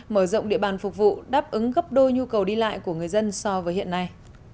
mở rộng địa bàn phục vụ đáp ứng gấp đôi nhu cầu đi lại của người dân so với hiện nay